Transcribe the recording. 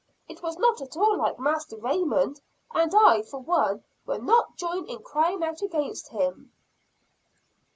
It was not at all like Master Raymond; and I, for one, will not join in crying out against him."